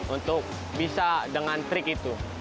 untuk bisa dengan trik itu